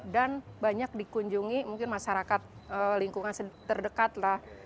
dan banyak dikunjungi mungkin masyarakat lingkungan terdekat lah